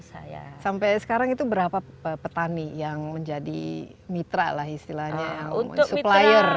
saya sampai sekarang itu berapa petani yang menjadi mitra lah istilahnya supplier